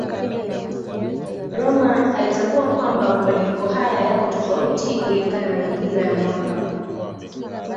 Rømer alitambua kwamba mabadiliko haya yako tofauti kulingana na majira ya mwaka.